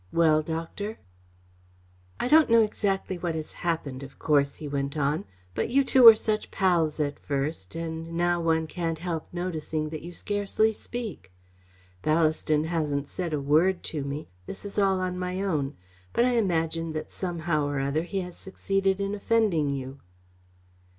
"Well, Doctor?" "I don't exactly know what has happened, of course," he went on, "but you two were such pals at first, and now one can't help noticing that you scarcely speak. Ballaston hasn't said a word to me. This is all on my own, but I imagine that somehow or other, he has succeeded in offending you."